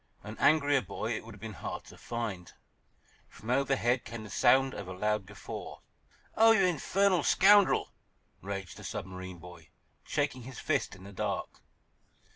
An angrier boy it would have been hard to find. From overhead came the sound of a loud guffaw. "Oh, you infernal scoundrel!" raged the submarine boy, shaking his fist in the dark.